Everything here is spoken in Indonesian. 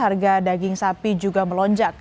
harga daging sapi juga melonjak